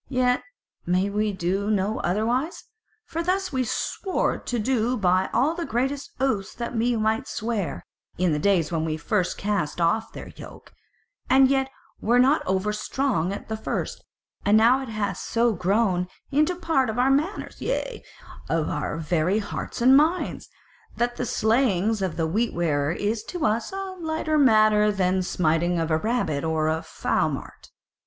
Yet may we do no otherwise; for thus we swore to do by all the greatest oaths that we might swear, in the days when we first cast off their yoke, and yet were not over strong at the first; and now it hath so grown into a part of our manners, yea, and of our very hearts and minds, that the slaying of a Wheat wearer is to us a lighter matter than the smiting of a rabbit or a fowmart.